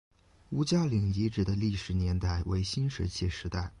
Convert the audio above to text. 吴家岭遗址的历史年代为新石器时代。